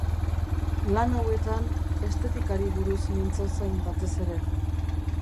Lan hauetan estetikari buruz mintzo zen batez ere.